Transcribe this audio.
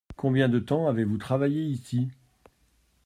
Combien de temps avez-vous travaillé ici ?